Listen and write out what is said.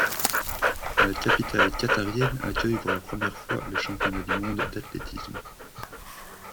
La capitale qatarienne accueille pour la première fois les Championnats du monde d'athlétisme.